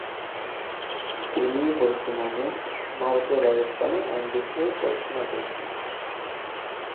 তিনি বর্তমানে ভারতের রাজস্থানে আইন বিষয়ে পড়াশোনা করছেন।